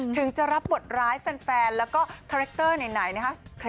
ถึงจะรับบทร้ายแฟนแล้วก็คาแรคเตอร์ไหนนะคะ